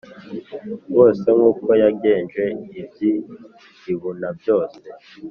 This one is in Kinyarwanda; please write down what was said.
bose nk uko yagenje iby i Libuna byose